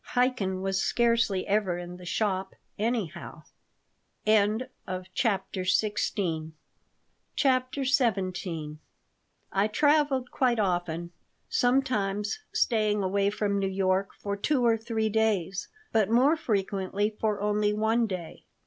"Chaikin was scarcely ever in the shop, anyhow." CHAPTER XVII I TRAVELED quite often, sometimes staying away from New York for two or three days, but more frequently for only one day.